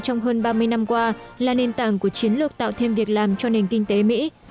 trong hơn ba mươi năm qua là nền tảng của chiến lược tạo thêm việc làm cho nền kinh tế mỹ